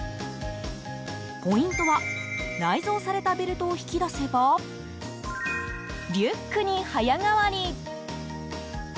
ポイントは内蔵されたベルトを引き出せばリュックに早変わり。